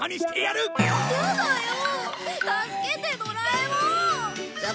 助けてドラえもん！